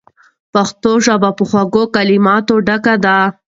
پښتو ژبه په خوږو کلماتو ډکه ده.